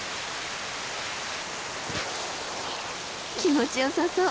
気持ちよさそう。